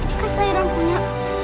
ini kan sayuran punya